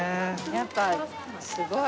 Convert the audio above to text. やっぱすごい。